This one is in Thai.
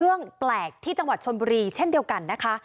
เรื่องแปลกที่จังหวัดชนบุรีเช่นเดียวกันนะคะ